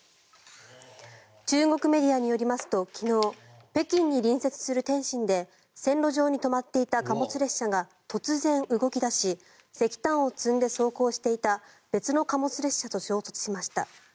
中国メディアによりますと昨日、北京に隣接する天津で線路上に止まっていた貨物列車が突然、動き出し石炭を積んで走行していた別の貨物列車と衝突しました。